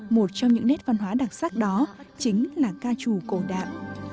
một trong những nét văn hóa đặc sắc đó chính là ca trù cổ đạn